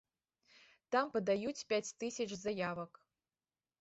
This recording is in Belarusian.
Там падаюць пяць тысяч заявак.